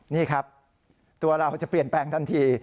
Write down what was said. นี่ครับตัวเราจะเปลี่ยนแปลงทันที